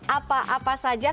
apa apa saja festivalnya